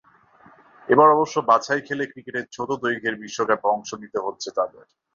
এবার অবশ্য বাছাই খেলে ক্রিকেটের ছোট দৈর্ঘ্যের বিশ্বকাপে অংশ নিতে হচ্ছে তাদের।